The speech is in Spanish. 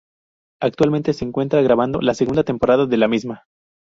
Actualmente, se encuentra grabando la segunda temporada de la misma.